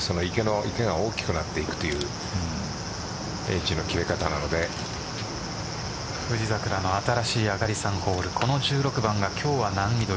池が大きくなっていくという富士桜の新しい上がり３ホールこの１６番が今日は難易度